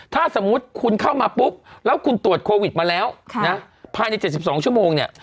ถ้าสมมุติคุณเข้ามาปุ๊บแล้วคุณตรวจโควิดมาแล้วนะภายใน๗๒ชั่วโมงเนี่ย